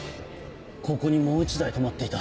ここにもう１台止まっていた。